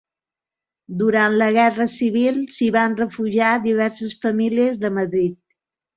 Durant la Guerra Civil s'hi van refugiar diverses famílies de Madrid.